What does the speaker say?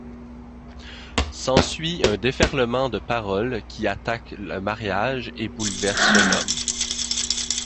S’ensuit un déferlement de parole qui attaque le mariage et bouleverse l’homme.